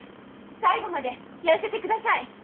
最後までやらせてください！